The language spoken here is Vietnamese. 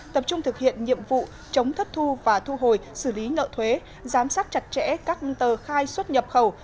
tập trung thực hiện nhiệm vụ chống thất thu và thu hồi xử lý nợ thuế giám sát chặt chẽ các tờ khai xuất nhập khẩu